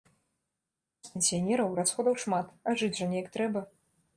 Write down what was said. У нас, пенсіянераў, расходаў шмат, а жыць жа неяк трэба.